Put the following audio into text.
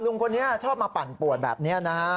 ลุงคนนี้ชอบมาปั่นปวดแบบนี้นะฮะ